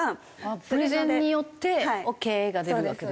プレゼンによってオーケーが出るわけですか。